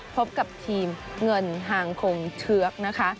พบกับทีมเงินหางคงเชือกนะคะ